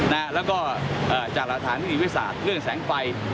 แล้วก็จากหลักฐานทางนิติวิทยาศาสตร์เรื่องแสงไฟ